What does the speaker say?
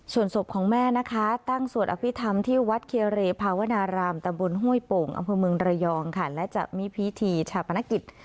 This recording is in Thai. ส่วนศพของแม่นะคะตั้งสวดอภิษฐรรมที่วัดเคเรภาวนารามตำบลห้วยโป่งอำเภอเมืองระยองค่ะและจะมีพิธีชาปนกิจ